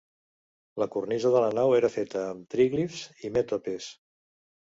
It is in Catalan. La cornisa de la nau era feta amb tríglifs i mètopes.